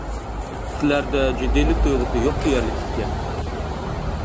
سىلەردە جىددىيلىك تۇيغۇسى يوق دېيەرلىك ئىكەن.